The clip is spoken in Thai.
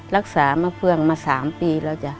รักษามะเฟืองมา๓ปีแล้วจ้ะ